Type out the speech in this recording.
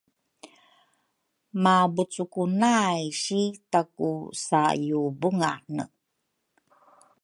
Mabucuku nay si taku sayubungane